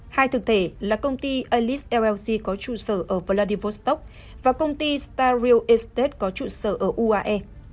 hai thực thể là công ty alice llc có trụ sở ở vladivostok và công ty star real estate có trụ sở ở uae